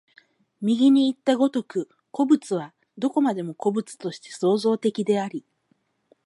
右にいった如く、個物はどこまでも個物として創造的であり、